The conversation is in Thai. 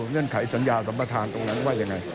เล่นไขสัญญาสรรพทานตรงนั้นว่าอย่างไร